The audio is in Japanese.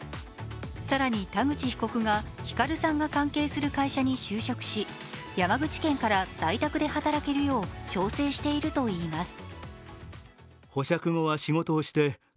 更に田口被告がヒカルさんが関係する会社に就職し山口県から在宅で働けるよう調整しているといいます。